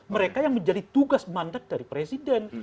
mereka yang menjadi tugas mandat dari presiden